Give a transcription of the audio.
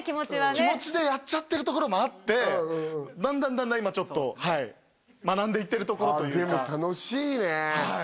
気持ちでやっちゃってるところもあってだんだんだんだん今ちょっと学んでいってるところというかあっでも楽しいねはい